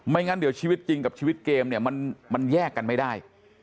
งั้นเดี๋ยวชีวิตจริงกับชีวิตเกมเนี่ยมันแยกกันไม่ได้